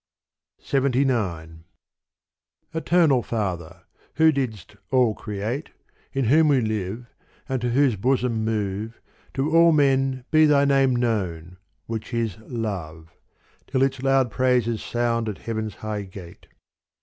LXXIX Eternal Father who didst all create, In whom we live and to whose bosom move, To all men be Thy name known which is Love, Till its loud praises sound at heaven's high gate.